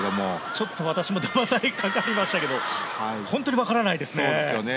ちょっと私もだまされかかりましたけど本当にわからないですね。